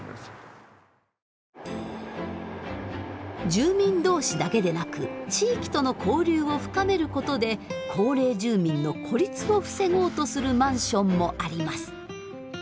住民同士だけでなく地域との交流を深めることで高齢住民の孤立を防ごうとするマンションもあります。